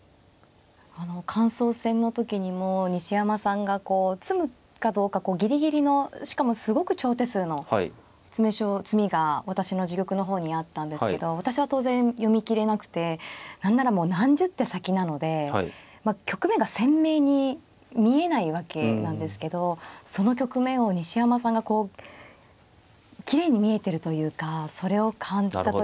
感想戦の時にも西山さんが詰むかどうかギリギリのしかもすごく長手数の詰みが私の自玉の方にあったんですけど私は当然読み切れなくて何ならもう何十手先なので局面が鮮明に見えないわけなんですけどその局面を西山さんがこうきれいに見えてるというかそれを感じた時に。